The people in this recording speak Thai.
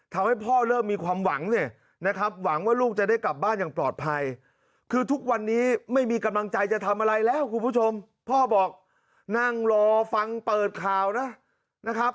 ทำให้พ่อเริ่มมีความหวังเนี่ยนะครับหวังว่าลูกจะได้กลับบ้านอย่างปลอดภัยคือทุกวันนี้ไม่มีกำลังใจจะทำอะไรแล้วคุณผู้ชมพ่อบอกนั่งรอฟังเปิดข่าวนะครับ